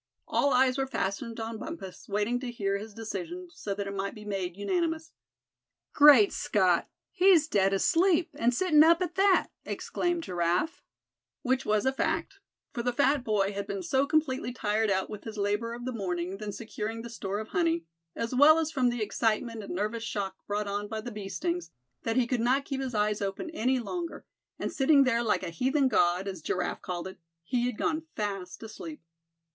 All eyes were fastened on Bumpus, waiting to hear his decision, so that it might be made unanimous. "Great Scott! he's dead asleep, and sittin' up at that!" exclaimed Giraffe. Which was a fact; for the fat boy had been so completely tired out with his labor of the morning, when securing the store of honey; as well as from the excitement and nervous shock brought on by the bee stings, that he could not keep his eyes open any longer; and sitting there like a heathen god, as Giraffe called it, he had gone fast asleep.